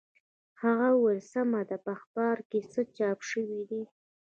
هغه وویل سمه ده په اخبارو کې څه چاپ شوي دي.